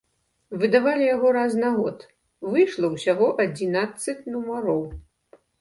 Выдавалі яго раз на год, выйшла ўсяго адзінаццаць нумароў.